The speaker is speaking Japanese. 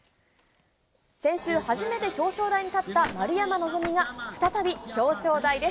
先週、初めて表彰台に立った丸山希が、再び表彰台です。